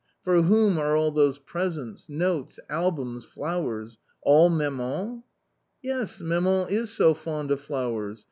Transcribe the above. For whom are all those presents, notes, albums, flowers. All maman? " "Yes, maman is so fond of flowers.